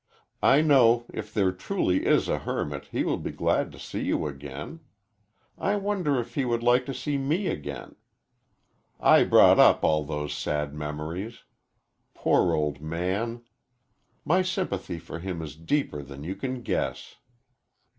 I know, if there truly is a hermit, he will be glad to see you again. I wonder if he would like to see me again. I brought up all those sad memories. Poor old man! My sympathy for him is deeper than you can guess."